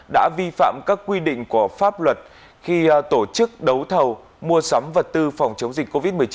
đã vi phạm các quy định của pháp luật khi tổ chức đấu thầu mua sắm vật tư phòng chống dịch covid một mươi chín